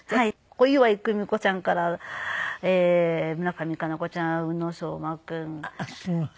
小岩井久美子ちゃんから村上佳菜子ちゃん宇野昌磨君浅田真央ちゃんも。